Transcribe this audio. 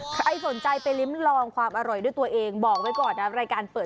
ใครสนใจไปลิ้มลองความอร่อยด้วยตัวเองบอกไว้ก่อนนะรายการเปิด